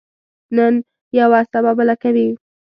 نن یوه، سبا بله کوي.